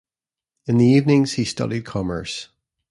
In the evenings he studied commerce.